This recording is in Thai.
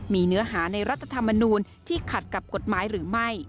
มีเนื้อหาในรัฐธรรมนูลที่ขัดกับกฎหมายหรือไม่